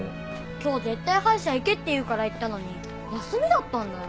今日絶対歯医者行けって言うから行ったのに休みだったんだよ？